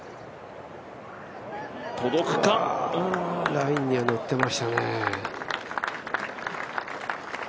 ラインには乗ってましたね。